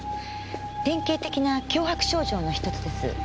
典型的な強迫症状の一つです。